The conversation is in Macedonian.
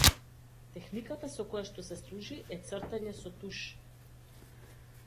Техниката со која што се служи е цртање со туш.